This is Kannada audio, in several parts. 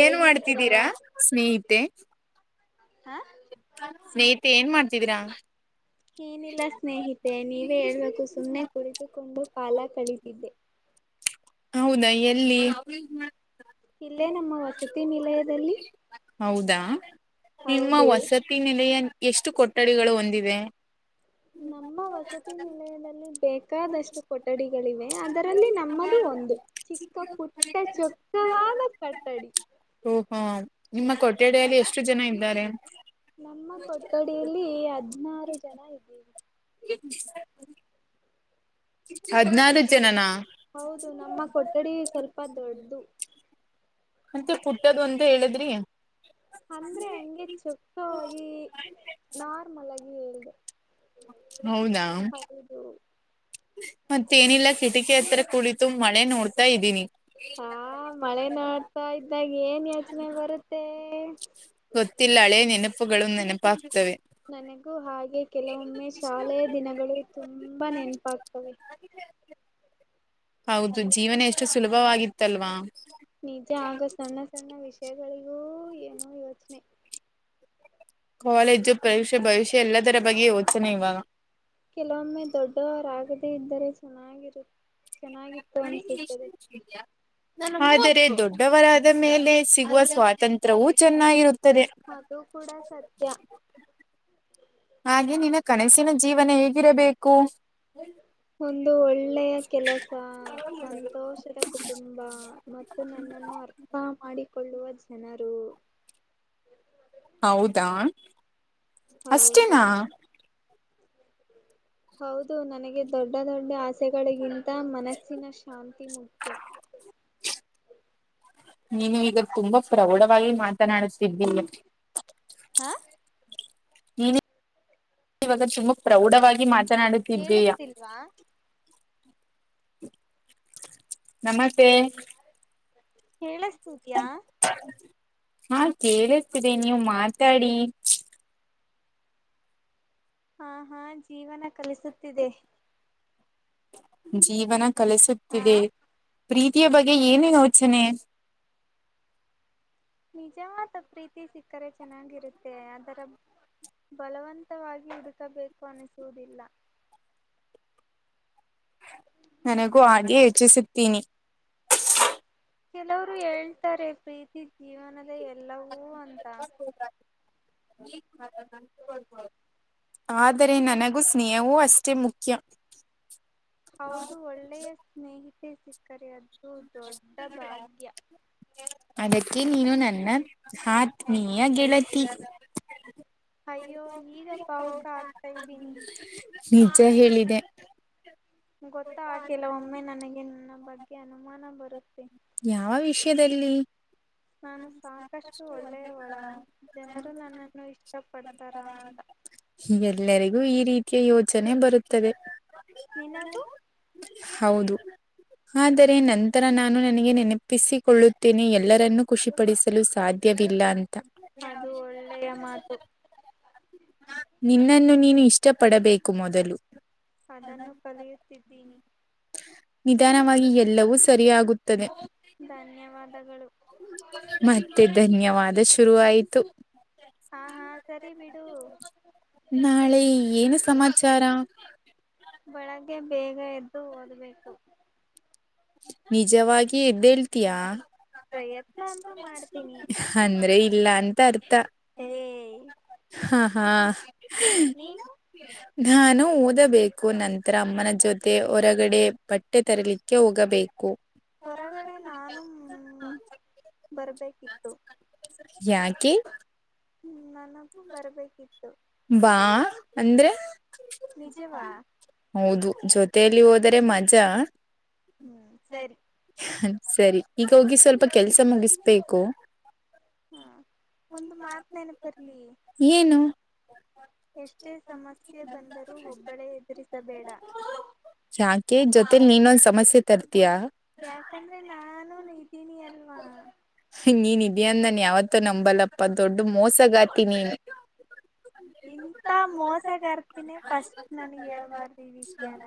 ಏನ್ ಮಾಡ್ತಿದ್ದೀರಾ ಸ್ನೇಹಿತೆ ಹಾ ಸ್ನೇಹಿತೆ ಏನ್ ಮಾಡ್ತಿದೀರಾ ಏನಿಲ್ಲ ಸ್ನೇಹಿತೆ ನೀವೇ ಹೇಳ್ಬೇಕು ಸುಮ್ಮನೆ ಕುಡಿತುಕೊಂಡು ಪಾಲ ಕಳಿತಿದ್ದೆ ಹೌದಾ ಎಲ್ಲಿ ಇಲ್ಲೇ ನಮ್ಮ ವಸತಿ ನಿಲಯದಲ್ಲಿ ಹೌದಾ ನಿಮ್ಮ ಹೌದು ವಸತಿ ನೆಲೆಯ ಎಷ್ಟು ಕೊಠಡಿಗಳು ಹೊಂದಿದೆ ನಮ್ಮ ವಸತಿ ನಿಲಯದಲ್ಲಿ ಬ ಚಕ್ಕಾದಷ್ಟು ಕೊಠಡಿಗಳಿವೆ ಅದರಲ್ಲಿ ನಮ್ಮದು ಒಂದು ಚಿಕ್ಕ ಪುಟ್ಟ ಚೊಕ್ಕವಾದ ಕಠಡಿ ಓಹೋ ನಿಮ್ಮ ಕೊಠಡಿಯಲ್ಲಿ ಎಷ್ಟು ಜನ ಇದ್ದಾರೆ ನಮ್ಮ ಕೊಠಡಿಯಲ್ಲಿ ಹದ್ಿನಾರು ಜನ ಇದ್ದೀವಿ ಹ್ಮ ಹೌದು ನಮ್ಮ ಕೊಠಡಿ ಸ್ವಲ್ಪ ದೊಡ್ಡದು ಮಂೆ ಪುಟ್ಟದ ಒಂದ ಹೇಳಿದ್ರೆ ಯ ಅಂದ್ರೆ ಹಂಗೆ ಚೊಕ್ಕಾಗಿ ನಾರ್ಮಲ್ ಆಗಿ ಹೇಳ ಹೌದಾ ಹೌದು ಮತ್ತೇಏನಿಲ್ಲ ಕಿಟಕಿ ಹತ್ರ ಕುಳಿತು ಮಳೆ ನೋಡ್ತಾ ಇದ್ದೀನಿ ಹಾ ಮಳೆ ನೋಡ್ತಾ ಇದ್ದಾಗ ಏನು ಯೋಚನೆ ಬರುತ್ತೆ ಗೊತ್ತಿಲ್ಲ ಹಳೆ ನೆನಪುಗಳು ನೆನಪಾಗಗ್ತ ನನಗೂ ಹಾಗೆ ಕೆಲವೊಮ್ಮೆ ಶಾಲೆಯ ದಿನಗಳು ತುಂಬಾ ನೆನಪಾಗ್ತವೆ ಹೌದು ಜೀವನ ಎಷ್ಟು ಸುಲಭವಾಗಿತ್ತಲ್ವಾ ನಿಜ ಆಗ ಸಣ್ಣ ಸಣ್ಣ ವಿಷಯಗಳಿಗೂ ಏನು ಇ ನೀ್ಮ ಕಾಲೇಜ್ ಪರೀಕ್ಷೆ ಭವಿಷ್ಯ ಎಲ್ಲದರ ಬಗ್ಗೆ ಯೋಚನೆ ಇವಾಗ ಕಲೋಮ್ಮೆ ದೊಡ್ಡೋ ಆಗ ಮ ಇದ್ದರೆ ಚೆನ್ನಾಗಿರುತ್ತೆ ಆದರೆ ದೊಡ್ಡವರಾದ ಮೇಲೆ ಸಿಗುವ ಸ್ವಾತಂತ್ರ್ಯವು ಚೆನ್ನಾಗಿರುತ್ತೆ ಅದು ಕೂಡ ಸತ್ಯ ಹ ಇಿರಬೇಕು ಒಂದು ಒಳ್ಳೆಯ ಕೆಲಸ ಸಂತೋಷದ ಕುಟುಂಬ ಮತ್ತು ನನ್ನನ್ನು ಅರ್ಥ ಮಾಡಿ ಕೊಳ್ಳುವ ಜನರು. ಹೌದಾ. ಹೌದು ಅಷ್ಟೇನಾ. ಹೌದು. ನನಗೆ ದೊಡ್ಡ ದೊಡ್ಡ ಆ. ಆಸೆಗಳಿಗಿಂತ ಮನಸ್ಸಿನ ಶಾಂತಿ ಮುಖ್ಯ. ನೀನು ಈಗ ತುಂಬಾ ಪ್ರೌಢವಾಗಿ ಮಾತನಾಡುತ್ತಿದ್ದಿ. ಹಾ. ನೀ ಇವಾಗ ತುಂಬಾ ಪ್ರೌಡ್. ಮಾತನಾಡುತ್ತಿದ್ದೀಯಾ. ಕೇಳಿಸ್ತಿಲ್ವಾ ನಮಸ್ತೆ. ಹೇಳಸ್ತುತ್ಯಾ. ಹಾ ಕೇಳತರಿ ನೀವು್ ಮಾತಾಡಿ. ಹಾ ಹಾ ಜೀವನ ಕಲಿಸುತ್ತಿದೆ. ಜೀವನ. ಹಾ ಕಲಿಸುತ್ತಿದೆ. ಪ್ರೀತಿಯ ಬಗ್ಗೆ ಏನೇನು ಯೋಚನೆ. ನಿಜವಾದ ಪ್ರೀತಿ ಸಿಕ್ಕರೆ ಚೆನ್ನಾಗಿರುತ್ತೆ ಅದರ ಬಲವಂತವಾಗಿ ಹುಡುಕಬೇಕು ಅನಿಸುವುದಿಲ್ಲ ನನಗೂ ಆದೇ ಹೆಚ್ಚಿಸುತ್ತೀನಿ. ಕೆಲವರು ಹೇಳ್ತಾರೆ ಪ್ರೀತಿ ಜೀವನದ. ಎಲ್ಲವೂ ಅಂತ. ಹ. ಆದರೆ ನನಗೂ. ಸ್ನೇಹವೂ ಅಷ್ಟೇ ಮುಖ್ಯ. ಹೌದು ಒಳ್ಳೆಯ ಸ್ನೇಹಿಿತ. ಬೇ ಸಿಕ್ಕ. ಅದು ದೊಡ್ಡ ಭಾಗ್ಯ. ಅದಕ್ಕೆ ನೀನು ನನ್ನ ಆತ್ಮೀಯ ಗೆಳತಿ. ಅಯ್ಯೋ ಈಗ ಭಾವುಕ ಆಗ್ತಾ ಇದ್ದೀನಿ ನಿಜ ಹೇಳಿದೆ. ಗೊತ್ತ ಹಾಕಿಲ್ಲ ಒಮ್ಮೆ ನನಗೆ ನನ್ನ ಬಗ್ಗೆ ಅನುಮಾನ ಬರುತ್ತೆ. ್ಯದಲ್ಲಿ. ನಾನು ಸಾಕಷ್ಟು ಒಳ್ಳೆಯವಳ ಜನರು ನನ್ನನ್ನು ಇಷ್ಟಪಡ್ತಾರಾ ಅಂತ ಎಲ್ಲರಿಗೂ ಈ ರೀತಿ. ಯೋಜನೆ ಬರುತ್ತದೆ. ನೀಿನದುು [unintelligible] ಹೌದು. ಆದರೆ ನಂತರ ನಾ. ನನಗೆ ನೆನಪಿಸಿಕೊಳ್ಳುತ್ತೇನೆ ಎಲ್ಲರನ್ನು ಖುಷಿಪಡಿಸಲು ಸಾಧ್ಯವಿಲ್ಲ ಅ ಅದು ಒಳ್ಳೆಯ ಮಾತು ನಿನ್ನನ್ನು ನೀನು ಇಷ್ಟಪಡಬೇಕು ಮೊದಲು ಅದನ್ನು ಕಲಿಯುತ್ತಿದ್ದೀನಿ ನಿಧಾನವಾಗಿ ಎಲ್ಲವೂ ಸರಿಯಾಗುತ್ತದೆ ಧನ್ಯವಾದಗಳು ಮತ್ತೆ ಧನ್ಯವಾದ ಶುರುವಾಯತು ತ ಹಾ ಹಾ ಸರಿ ಬಿಡು ನಾಳೆ ಏನು ಸಮಾಚಾರ ಬೆಳಗ್ಗೆ ಬೇಗ ಎದ್ದು ಓದ್ಬೇಕು ನಿಜವಾಗಿ ಎದ್ದ ಹೇಳ್ತೀಯಾ ಪ್ರಯತ್ನ ಅಂತೂ ಮಾಡ್ತೀನಿ ಲ್ಲ ಅಂತ ಅ ಹ್ಮ ಹಾ ಹಾ ್ಮ ನೀನು ನಾನು ಓದಬೇಕು ನಂತರ ಅಮ್ಮನ ಜೊತೆ ಹೊರಗಡೆ ಬಟ್ಟೆ ತರಲಿಕ್ಕೆ ಹೋಗಬೇಕು ಹೊರಗಡೆ ನಾನು ಹ ಬರ್ಬೇಕಿತ್ತು ಯಾಕೆ ಹ್ಮ ಬಾ ಅಂದ್ರೆ ನಿಜವಾ ಹೌದು ಜೊತೆಯಲ್ಲಿ ಅರೆ ಮಜಾ [unintelligible] ಹ್ಮ್ ಸರಿ ಸರಿ ಈಗ ಹೋಗಿ ಸ್ವಲ್ಪ ಕೆಲ್ಸ ಮುಗಿಸ್ಬೇಕು ಹ್ಮ್ ಒಂದು ಮಾತ್ ನೆನಪರ್ಲಿ ಏನು ಸಮಸ್ಯೆ ಬಂದರೂ ಒಬ್ಬಳೇ ಎದುರಿಸಬೇಡ ಯಾಕೆ ಜೊತೆ ನೀನ್ನೊಂದು್ ಸಮಸ್ಯೆ ತರ್ತೀಯಾ ಯಾಕಂದ್ರೆ ನಾನು ನಿ ಸಿ ನೀ ನಿಿದ್ದ ದ ಅಂದನ್ ಯಾವತ್ತ ನಂಬಲ್ಲಪ್ಪ ದೊಡ್ಡ ಮೋಸಗಾತಿನಿ ಇಂತ ಮೋಸಗರ್ತಿನಿ ಫಸ್ಟ್ ನನ್ಗ್ ಹೇಳ್ಬಾರ್ದಿ ಈ ವಿಷಯಾನ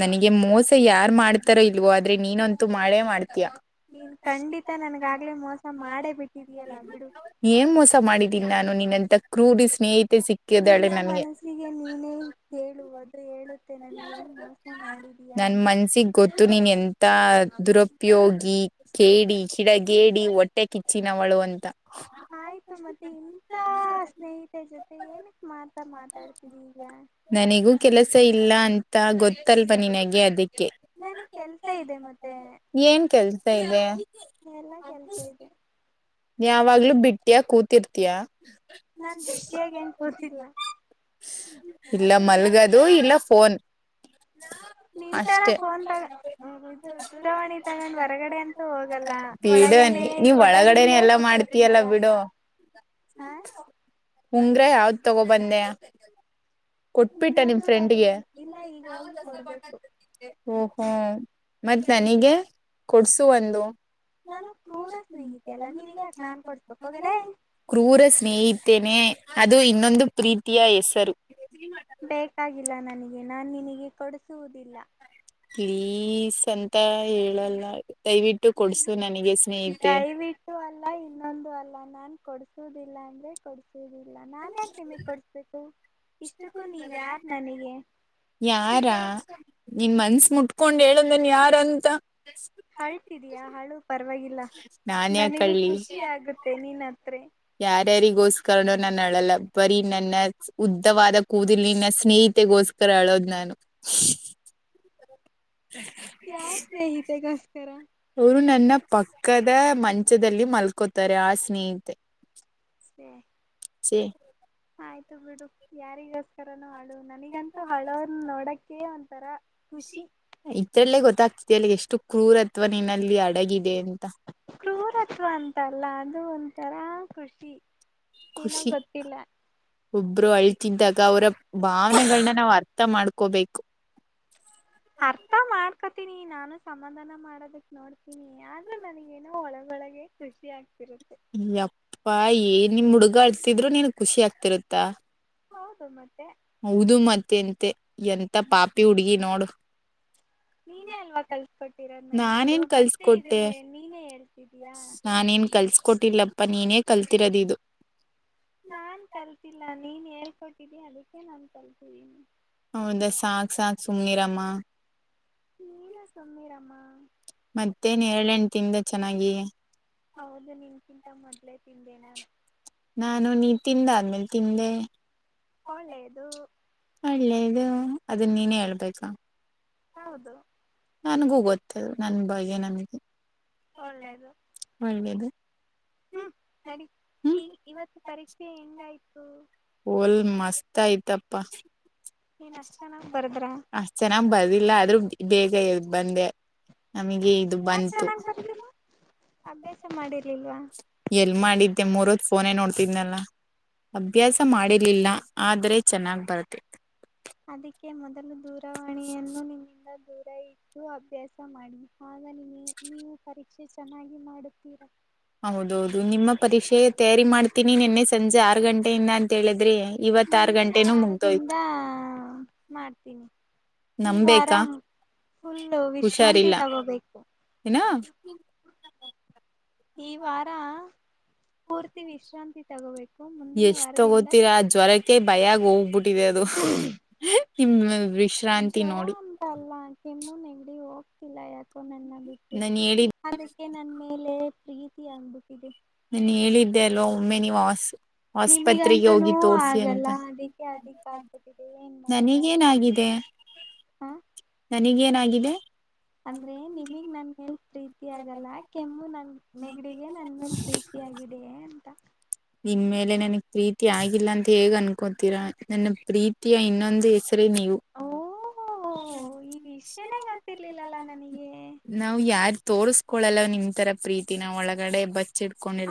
ನನಗೆ ಮೋಸ ಯಾರ್ು ಮಾಡ್ತಾರೋ ಇಲ್ವೋ ಆದ್ರೆ ನೀನಂತೂ ಮಾಡೇ ಮಾಡ್ತೀಯಾ ನೀನ್ ಖಂಡಿತ ನನ್ಗಾಗಗ್ಲೇ ಮೋಸ ಮಾಡೇ ಬಿಟ್ಟಿದಯಲ್ಲ ಬಿಡು ಏನ್ ಮೋಸ ಮಾಡಿದ್ದೀನಿ ನಾನು ನಿನ್ನಂತ ಕ್ರೂರಿ ಸ್ನೇಹಿತ ನಿನ್ನ ಮನಸ್ಸಿಗೆ ನೀನೇ ಕೇಳು ಅದು ಹೇಳುತ್ತೆ ನನ ಏನ್ ಮೋಸ ಮಾಡಿದೀಯಾ ನನ್ ಅಂತ ಮನ್ಸಿಗ್ ಉಪೋಗಿ [unintelligible] ಕೇಡಿ ಕಿಡ ಗೇಡಿ ಹೊಟ್ಟೆ ಕಿಚ್ಚಿನವಳು ಅಂತ ಆಯ್ತು ಮತ್ತೆ ಇಂತ ಸ್ನೇಹಿತೆ ಜೊತೆ ಏನಕ್ ಮಾತಾ ಮಾತಾಡ್ತನಿ ಈಗ ಗೊತ್ತ ಗೊತ್ತಲ್ವಾ ನಿನಗೆ ಅದಕ್ಕೆ ನನಗ್ ಕೆಲ್ಸ ಇದೆ ಮತ್ತೆ ಏನ್ ಕೆಲ್ಸ ಲೇ ಎಲ್ಲಾ ಕೆಲ್ಸ ಇದೆ ಯಾವಾಗ್ಲೂ ಬಿಟ್ಟ್ಯಾ ಕೂತ್ ತಿೀರ್ತಯಾ ನಾನ್ ಬಿಟ್ಟಿಯಾಗ ಏನ್ ಕೋಸಿಲ್ಲ ಇಲ್ಲ ಮಲ್ಗದು ಇಲ್ಲ ಫೋನ್ ನಿನ್ಂತರ ಅಷ್ಟೆ ಫೋನ್ ತಗ ದೂರವಾಣಿ ತಗೊಂಡ್ ಹೊರಗಡೆ ಅಂತೂ ಹೋಗಲ್ಲ ಒಳಗನೆ ಕೊಠಡಲ್ಲ ಎಲ್ಲ ಮಾಡ್ತಿಯಲ್ಲ ಬಿಡು ಹಾ ಉಂಗ್ರ ಯಾವ್ದ್ ತಗೋಬಂದೆ ಕೊಟ್ಬಿಟ್ಟ ನಿಮ್ ಇನ್ನೊಂದು ಫ್ರೆಂಡ್ಗೆ ತಗೊಬಂದ ಇಲ್ಲ ಈಗ ಹೋಗಿ ಕೊಡ್ಬೇಕು ಓಹೋ ಮತ್ತೆ ನನಗೆ ಕೊಡ್ಸು ಒಂದು ನಾನು ಕ್ರೂರ ಸ್ನೇಹಿತೆ ಅಲ್ಲ ನಿನಗೆ ಯಾಕೆ ನಾನ್ ಕೊಡ್ಸ್ಬೇಕು ಹೋಗಲೇ ಕ್ರೂರ ಸ್ನೇಹಿತೇನೆ ಅದೇ ಇದು ಇನ್ನೊಂದು ಪ್ರೀತಿಯ ಹೆಸರು ಬೇಕಾಗಿಲ್ಲ ನನಗೆ ನಾನ್ು ನಿನಗೆ ಕೊಡಿಸುವುದಿಲ್ಲ ಪ್ಲೀಸ್ ಅಂತ ಹೇಳಲ್ಲ ದಯವಿಟ್ಟು ಕೊಡ್ಸು ನ ನಿನಿಗೆ ಸ್ನೇಹಿತೆ ಲ್ಲ ಇನ್ನೊಂದು ಅಲ್ಲ ನಾನ್ ಕೊಡಸುದಿಲ್ಲ ಅಂದ್ರೆ ಕೊಡ್ ಸಡಿ ಇಲ್ಲ ನಾನ್ ಯಾಕೆ ನಿಮಗ್ ಕೊಡ್ಸ್ಬೇಕು ಇಷ್ಟಕ್ಕೂ ನೀವ ಯಾರ್ ನನಗೆ ನೀನ್ ಮನ್ಸ್ ಮುಟ್ಕೊಂಡ್ ಹೇಳು ನಾನ್ ಯಾರಂತ ಅಳ್ತಿದಿಯಾ ಅಳು ಪರವಾಗಿಲ್ಲ ನಾನ್ ಯಾಕ್ ನನಗೂ ಅಳ್ಲಿ ಖುಷಿ ಆಗುತ್ತೆ ನೀನ್ ಅತ್ರೆ ಯಾರ್ಯಾರಿಗೋಸ್ಕರನೋ ನಾನು ಅಳಲ್ಲ ಬರೀ ನನ್ನ ಉದ್ದವಾದ ಕೂದಲ್ ನಿನ್ನ ಸ್ನೇಹಿತೆಗೋಸ್ಕರ ಅಳೋದ್ ನಾನು ಯಾರ್ ಸ್ನೇಹಿತೆಗೋಸ್ಕರ ಅವ್ರು ನನ್ನ ಪಕ್ಕದ ಮಂಚದಲ್ಲಿ ಮಲ್ಕೋತಾರೆ ಆ ಸ್ನೇಹಿತೆ ಹ್ಮ ಸ ಆಯ್ತು ಬಿಡು ಯಾರಿಗೋಸ್ಕರನ ಮಾಡ [inaudible] ನನಗಂತೂ ಅಳೋರ್ ನೋಡಕ್ಕೆ ತರ ಇದ್ರಲ್ಲೇ ಗೊತ್ತಾಗ್ತತಿ ಎಲ್ಲಿಗೆ ಎಷ್ಟು ಕ್ರೂರತ್ವ ನಿನ್ನಲ್ಲಿ ಅಡಗಿದೆ ಅ ಕ್ರೂರತ್ವ ಅಂತಲ್ಲ ಅದು ತರಾ ಕೃಷಿ ಖುಷಿ ಒಬ್ರು ಅಳ್ತಿದ್ದಾಗ ಅವರ ಭಾವನೆಗಳನ್ನ ನಾವ್ ಅರ್ಥ ಮಾಡ್ಕೋಬೇಕು ಅರ್ಥ ಮಾಡ್ಕತಿನಿ ನಾನು ಸಮಾಧಾನ ಮಾಡೋದಕ್ ನೋಡ್ತೀನಿ ಆದ್ರೆ ನನಗೇನೋ ಒಳಗೊಳಗೆ ಖುಷಿ ಆಗ್ತಿರುತ್ತೆ ಅಪ್ಪ ಏ ನಿಮ್ ಹುಡುಗ ಅಳ್ತಿದ್ರು ನೀನ್ ಖುಷಿ ಆಗ್ತಿರುತ್ತಾ ಹೌದ ಮೆ ಹೌದು ಮತ್ತೆಂತೆ ಎಂತ ಪಾಪಿ ಹುಡ್ಗಿ ನೋಡ್ ನೀನೇ ಅಲ್ವಾ ಕಲ್ಸಕೊಟ್ಟಿರೋದು ನನಗಿದದು ನಾನೇನ್ ಮತ್ತೆ ಕಲ್ಸ್ಕೊಟ್ಟೆ ಇದನ್ನ ನೀನೇ ಹೇಳ್ತಿದಯಾ ಕೊಟ್ಟಿಲ್ಲಪ್ಪ ನೀನೇ ಕಲ್ತಿರದಿದದು ನಾನ್ ಕಲ್ತಿಲ್ಲ ನೀನ್ ಹೇಳ್ಕಟ್ಟಿದ್ದಿ ಅದಕ್ಕೆ ನಾನು ಕಲ್ತಿದ್ದೀನಿ ಹೌದಾ ಸಾಕ್ ಸಾಕ್ ಸುಮ್ಮ್ನೆರಾಮ ನೀನು ಸುಮ್ಮಿರಮ್ಮ ಮತ್ತೆ ನೇರ್ಲೆಂಡ್ ತಿಂದ ಚೆನ್ನಾಗಿ ಹೌದು ನಿನ್ಕಿಂತ ಮೊದ್ಲೆೇ ತಿಂದೆ ನಾನು ನಾನು ನೀ ತಿಂದಾದ್ಮೇಲ್ ತಿಂದೆ ಒಳ್ಳೆಯದು ಒಳ್ಳೇದು ಅದನ್ನ ನೀನೇ ಹೇಳ್ಬೇಕಾ ಹೌದು ನನ್ಗೂ ಗೊತ್ತೇ ನನ್ ಬಗೆ ನನ್ಗೆ ಹನ್ಲದು ಒಳ್ಳೇದು ಹ್ಮ್ ನಡೀ ಹ್ಮ್ ಈ ಇವತ್ತು ಪರೀಕ್ಷೆ ಹೆಂಗಾಯ್ತು ಲ್ ಮಸ್ತ್ ಆಯ್ತಪ್ಪ ನೀನ್ ಅಷ್ಟ್ ಚೆನ್ನಾಗ್ ಬರ್ದ್ರ ಅ ಚೆನ್ನಾಗ್ ಬರ್ದಿಲ್ಲ ಆದ್ರೂ ಬೇಗ ಎ ಬಂದೆ ನಮಗೆ ಇದು ಯಾಕ್ ಬಂತು ಚೆನ್ನಾಗ್ ಬರ್ದಿಲ್ಲ ಅಭ್ಯಾಸ ಮಾಡಿರ್ಲಿಲ್ವಾ ಎಲ್ ಮಾಡಿದ್ದೆ ಮೂರೊತ್ ಫೋನೇ ನೋಡ್ತಿದನಲ್ಲ ಅಭ್ಯಾಸ ಮಾಡಿರ್ಲಿಲ್ಲ ಆದ್ರೆ ಚೆನ್ನಾಗ್ ಬರುತ್ತೆ ಅದಕ್ಕೆೇ ಮೊದ [inaudible] ದೂರ ಇಟ್ಟು ಅಭ್ಯಾಸ ಮಾಡಿ ಹಾಗ ನೀ ನೀವು ಪರೀಕ್ಷೆ ಚೆನ್ನಾಗಿ ಮಾಡುತ್ತೀರಾ ಹೌದೌದು ನಿಮ್ಮ ಪರೀಕ್ಷೆ ತಯಾರಿ ಮಾಡ್ತೀನಿ ನಿನ್ನೆ ಸಂಜೆ ಆರು ಗಂಟೆಯಿಂದ ಅಂತ ಹೇಳಿದ್ರೆ ಮುಂದಿನ ವಾರದಿಂದ ಮಾಡ್ತೀನಿ ಈ ವಾರ ನಂಬೇಕಾ ಫುಲ್ಲು ವಿಶ್ರಾಂತಿ ಹುಷಾರಿಲ್ಲ ತಗೋಬೇಕು ಏನ ಈ ವಾರ ಪೂರ್ತಿ ವಿಶ್ರಾಂತಿ ತಗೋಬೇಕು ಮುಂದಿನ ವಾರದಿಂದ ಭಯಾಗೋಗಟ್ಟ ಟ್ಟಿದೆ ಅದು ಹ ವಿಶ್ರಾಂತಿ ನೋಡಿ ಹೆಮ್ಮು ನೆಂಗಡಿ ಹೋಗ್ತಿಲ್ಲ ಯಾಕೋ ನನ್ನ ಟ್ಟು ನಾನು ಹೇಳಿದ್ ಅದಕ್ಕೆ ನನ್ ಮೇಲೆ ಪ್ರೀತಿ ಆಗ್ಬೇಕಿದೆ ನನ್ ಹೇಳಿದ್ದೆ ಅಲ್ವಾ ಒಮ್ಮೆ ನಿ ವಾಸು ನಿಮಗಂತೂನ ಆಗಲ್ಲ ಅದಕ್ಕೆ ಅದಿಕ್ಕ ಆಗ್ಬದಿದೆ ಏನ್ ಮಾಡದ ನನಗೇನಾಗಿದೆ ಹಾ ಇಿವ ಅಂದ್ರೆ ನೀವೀಗ್ ನನ್ ಹೇ ಪ್ರೀತಿಿಯಗಲ್ಲ ಕೆಮ್ಮು ನನ್ ನೆಗಡಿಗೆ ನನ್ ಮೇಲ್ ಪ್ರೀತಿಯಗಿದೆಯ ಅಂತ ನಿನ್ ಮೇಲೆ ನನ್ಗ್ ಪ್ರೀತಿ ಆಗಿಲ್ಲ ಅಂತ ಹೇಗ್ ಅನ್ಕೋತೀರಾ ನನ್ನ ಪ್ರೀತಿಯ ಇನ್ನೊಂದು ಹೆ ನೀ ಓ ಈ ವಿಷಯನೇ ಗೊತ್ತಿರ್ಲಿಲ್ಲಲ್ಲ ನನಗೆ ನಾವವು ಯಾರ ತೋ ಕೊಳಲ್ಲವ ನಿನ್ ತರ ಪ್ರೀತಿ ನಾ ಒಳಗಡೆ ಬ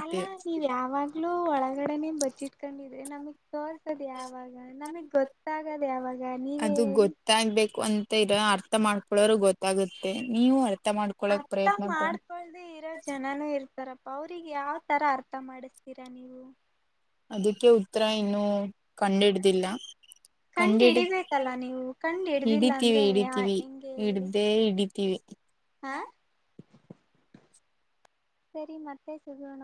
ಅಲ್ಲ ಅ ನೀೀರಿ ಯಾಗ್ೂ ಒಳಗಡೆನೆ ಬಚ್ಚಿ ಇಟ್ಕೊಂಡಿದ್ರಿ ನಮಗ್ ತೋರ್ಸದೆ ಯಾವಾಗ ನಮಗ್ ಗೊತ್ತಾಗದ ಯಾವಾಗ ನೀವೇ ಅದು ಹೇಳಿ ಗೊತ್ತಾಗ್ಬೇಕು ಅಂತ ಇರ ಅರ್ಥ ಮಾಡ್ಕೊೊಳ್ಳೋರು ಗೊತ್ತಾಗುತ್ತೆ ನೀವು ಅರ್ಥ ಮಾಡ್ಕೊಳಕ್ ಅರ್ಥ ಪ್ರಯತ್ನ ಪಡಿ ಮಾಡ್ಕೊಳ್ದ ಇರೋ ಜನನುೂ ಇರ್ತಾರಪ್ಪ ಅವ್ರಿಗೆ ಯಾವ ತರ ಅರ್ಥ ಮಾಡಿಸತ ಇರಾ ನೀವು ಅದಕ್ಕೆ ಉತ್ತರ ಇನ್ನುೂ ಕಂಡಿಡ್ದಿಲ್ಲ ಕಂಡ ಕಂಡ್ ಹಿಡ ಹಿಡಿಬೇಕಲ್ಲ ನೀವು ಕಂಡ್ ಹಿಡ್ದಿಲ್ಲ ಹಿಡಿತೀವಿ ಅಂದ್ರೆ ಹಿಡಿತೀವಿ ಹೆಂಗೆ ಹೇಳಿ ಇಡ್ದೇ ಇಿಡ ವಿ ಹಾ ಸರಿ ಮತ್ತೆ ಸಗಣ